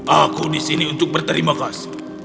aku disini untuk berterima kasih